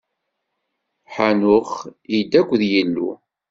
Ḥanux idda akked Yillu.